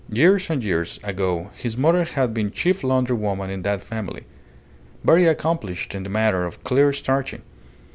Years and years ago his mother had been chief laundry woman in that family very accomplished in the matter of clear starching.